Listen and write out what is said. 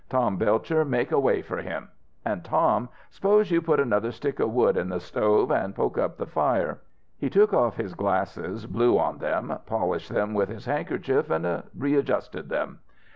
Tom Belcher make way for him. And, Tom, s'pose you put another stick of wood in that stove an' poke up the fire." He took off his glasses, blew on them, polished them with his handkerchief and readjusted them.